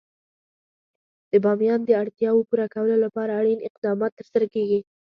د بامیان د اړتیاوو پوره کولو لپاره اړین اقدامات ترسره کېږي.